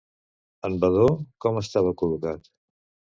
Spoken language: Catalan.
En Vadó com estava col·locat?